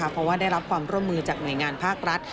เพราะว่าได้รับความร่วมมือจากหน่วยงานภาครัฐ